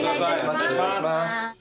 お願いします。